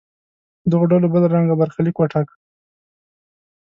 دغو ډلو بل رنګه برخلیک وټاکه.